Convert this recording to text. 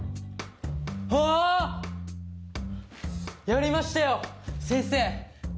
やりましたよ先生！